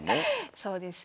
そうですね。